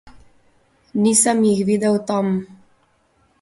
Nisem jih videl tam.